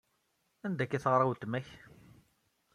Anda akka ay d-teggra weltma-k?